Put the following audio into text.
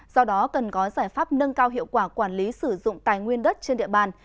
do đó cần có giải pháp nâng cao hiệu quả quản lý sử dụng tài nguyên đất trên địa bàn